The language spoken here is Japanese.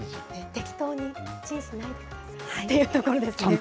適当にチンしないでくださいということですね。